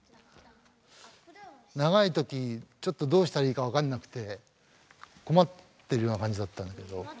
長い時ちょっとどうしたらいいか分かんなくて困ってるような感じだったんだけど。